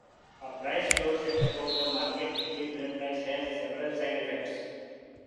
A price floor set above the market equilibrium price has several side-effects.